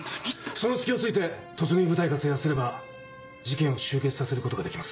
その隙を突いて突入部隊が制圧すれば事件を終結させることができます。